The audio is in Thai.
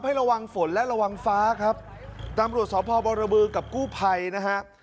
ให้ระวังฝนและระวังฟ้าครับตำรวจสพบรบือกับกู้ภัยนะฮะ